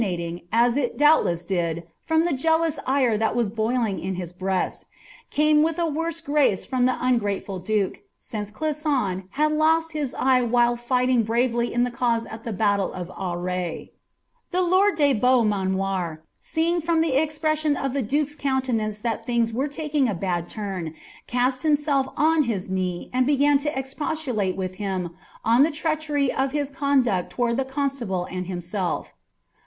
ing, as il donbllesa ilid, from the jealous ire that was boiling ■ hh 'Fnii«nut. 'lUiL JOANNA OF NATARRB. 4B bmsU came with a worse grace from the angreteful duke, since Cli&son had lost his eye while fighting bravely in his cause at the battle of Aaray. The lord de Beaumanoir, seeing from the expression of the dnke^s countenance that things were taking a bad turn, cast himself on his knee, and began to expostulate with him on the treachery of hi& conduct towards the constable and himself.